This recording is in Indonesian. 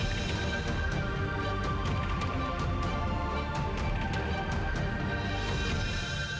saya akan menjantanmu disini